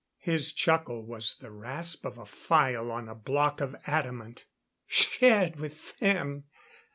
His chuckle was the rasp of a file on a block of adamant. "Shared with them!